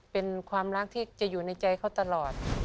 เป็นความรักที่จะอยู่ในใจเขาตลอด